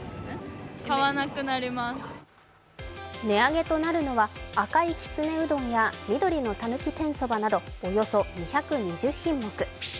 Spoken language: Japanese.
値上げとなるのは赤いきつねうどんや緑のたぬき天そばなどおよそ２２０品目。